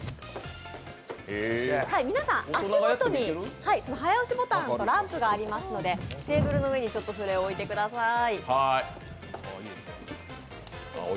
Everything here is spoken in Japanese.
皆さん足元に早押しボタンとランプがありますのでテーブルの上にそれを置いてください。